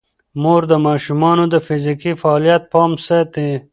مور د ماشومانو د فزیکي فعالیت پام ساتي.